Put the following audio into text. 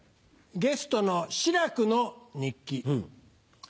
ゲストの志らくの日記。